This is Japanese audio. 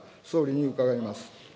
総理に伺います。